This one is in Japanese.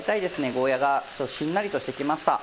ゴーヤーがちょっとしんなりとしてきました。